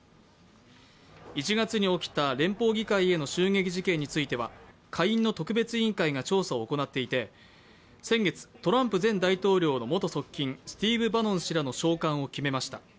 １月に起きた連邦議会への襲撃事件については下院の特別委員会が調査を行っていて先月、トランプ前大統領の元側近スティーブ・バノン氏らの召喚を決めました。